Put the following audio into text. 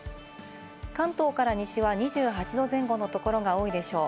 関東から西は２８度前後のところが多いでしょう。